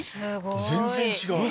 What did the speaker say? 全然違う！